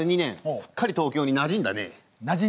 すっかり東京になじんだね。